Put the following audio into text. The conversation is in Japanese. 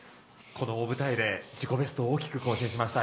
この大舞台で自己ベストを大きく更新しました。